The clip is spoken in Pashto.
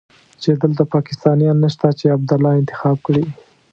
چې دلته پاکستانيان نشته چې عبدالله انتخاب کړي.